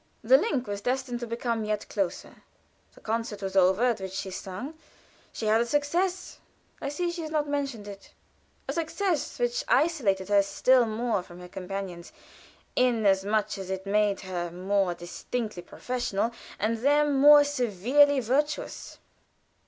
The link was destined to become yet closer. The concert was over at which she sung. She had a success. I see she has not mentioned it; a success which isolated her still more from her companions, inasmuch as it made her more distinctly professional and them more severely virtuous.